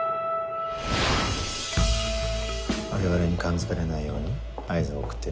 我々に感づかれないように合図を送ってる？